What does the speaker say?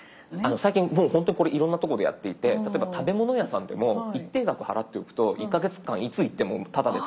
最近もうほんとにこれいろんなとこでやっていて例えば食べ物屋さんでも一定額払っておくと１か月間いつ行ってもタダで食べさせてあげる。